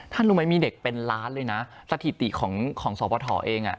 รู้ไหมมีเด็กเป็นล้านเลยนะสถิติของสปฐเอง